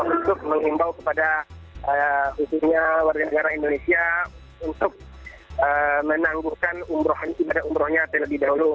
untuk menghimbau kepada khususnya warga negara indonesia untuk menangguhkan ibadah umrohnya terlebih dahulu